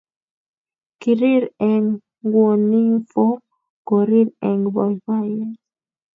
Kirir eng gwoninfo korir eng boiboiyet